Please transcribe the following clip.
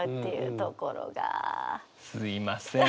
すいません。